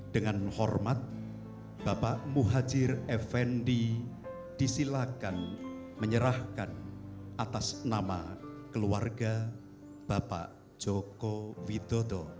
dengan hormat bapak muhajir effendi disilakan menyerahkan atas nama keluarga bapak joko widodo